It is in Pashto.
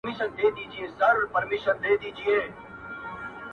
سپوږمۍ د خدای روی مي دروړی-